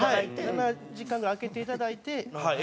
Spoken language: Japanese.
７時間ぐらい空けていただいて。